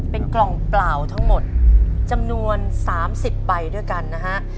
เป็นกล่องเปล่าทั้งหมดจำนวน๓๐ใบด้วยกันนะฮะ